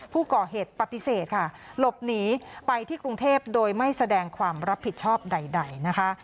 ผู้ก่อเหตุปฏิเสธค่ะหลบหนีไปที่กรุงเทพโดยไม่แสดงความรับผิดชอบใดนะคะ